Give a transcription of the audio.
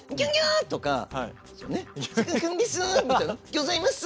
「ギョざいます！」